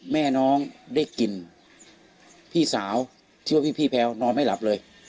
แม่น้องได้กินพี่สาวชื่อว่าพี่แพลวนอนไม่หลับเลย